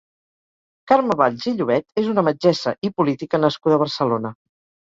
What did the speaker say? Carme Valls i Llobet és una metgessa i política nascuda a Barcelona.